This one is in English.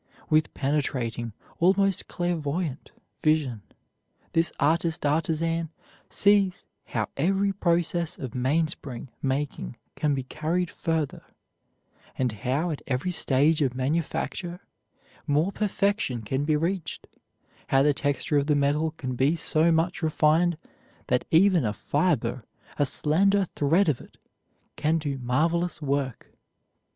With penetrating, almost clairvoyant vision, this artist artisan sees how every process of mainspring making can be carried further; and how, at every stage of manufacture, more perfection can be reached; how the texture of the metal can be so much refined that even a fiber, a slender thread of it, can do marvelous work.